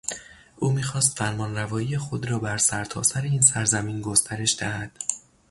او میخواست فرمانروایی خود را بر سرتاسر این سرزمین گسترش دهد.